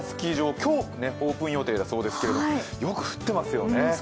今日、オープン予定だそうですけどもよく降ってますよね。